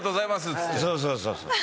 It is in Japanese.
そうそうそうそう。